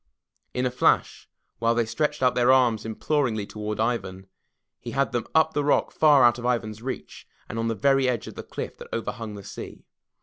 In a flash, while they stretched out their arms imploringly toward Ivan, he had them up the rock far out of Ivan's reach, and on the very edge of the cliff that overhung the sea.